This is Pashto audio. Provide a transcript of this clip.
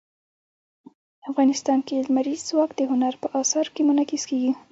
افغانستان کې لمریز ځواک د هنر په اثار کې منعکس کېږي.